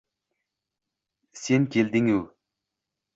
Sen — kelinligu